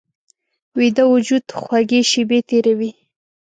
ویده وجود خوږې شیبې تېروي